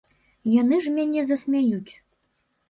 Яны ж мяне засмяюць.